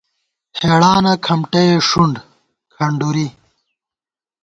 ہېڑانہ کھمٹَئےݭُنڈ (کھنڈُری)